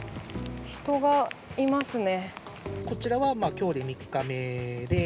人がいますね。